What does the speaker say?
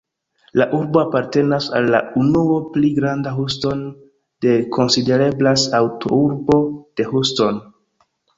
La urbo apartenas al la unuo "Pli granda Houston", do konsidereblas antaŭurbo de Houston.